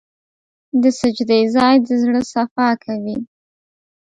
د سجدې ځای د زړه صفا کوي.